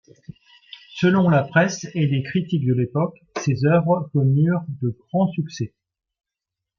Selon la presse et les critiques de l’époque, ses œuvres connurent de grands succès.